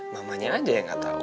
mamanya aja yang gak tahu